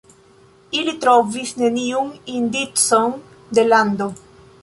Ili trovis neniun indicon de lando.